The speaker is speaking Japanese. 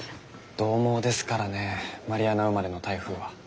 どう猛ですからねマリアナ生まれの台風は。